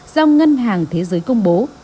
do ngân hàng thế giới công bố